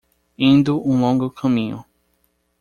Indo um longo caminho